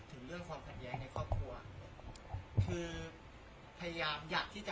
ถึงเรื่องความผัดแย้งในครอบครัว